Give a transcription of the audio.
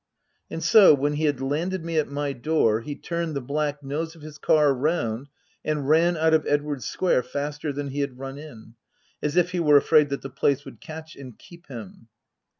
And so, when he had landed me at my door, he turned the black nose of his car round and ran out of Edwardes Square faster than he had run in ; as if he were afraid that the place would catch and keep him.